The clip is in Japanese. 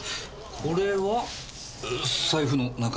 これは財布の中身？